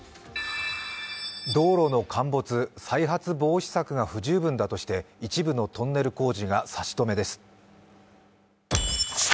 道路の陥没、再発防止策が不十分だとして一部のトンネル工事が差し止めです。